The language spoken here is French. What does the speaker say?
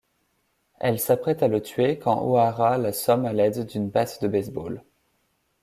Elle s'apprête à le tuer quand O'Hara l'assomme à l'aide d'une batte de base-ball.